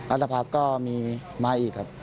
อัฐพะก็มีมาอีกครับ